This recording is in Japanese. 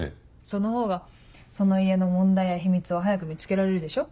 そのほうがその家の問題や秘密を早く見つけられるでしょ。